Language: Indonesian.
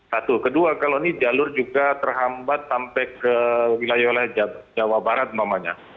satu kedua kalau ini jalur juga terhambat sampai ke wilayah wilayah jawa barat umpamanya